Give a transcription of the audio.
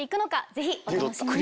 ぜひお楽しみに！